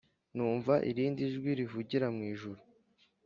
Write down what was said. Numva irindi jwi rivugira mu ijuru